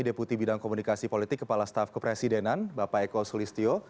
deputi bidang komunikasi politik kepala staf kepresidenan bapak eko sulistyo